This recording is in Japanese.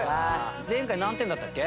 前回何点だったっけ？